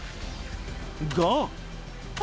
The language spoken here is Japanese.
が！